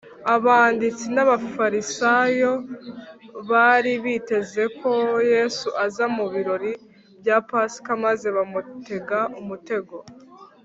abanditsi n’abafarisayo bari biteze ko yesu aza mu birori bya pasika, maze bamutega umutego